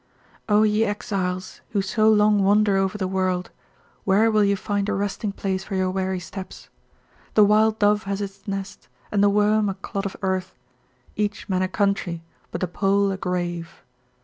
"O, ye exiles, who so long wander over the world, Where will ye find a resting place for your weary steps? The wild dove has its nest, and the worm a clod of earth, Each man a country, but the Pole a grave!"